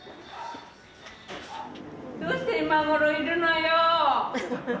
どうして今ごろいるのよ。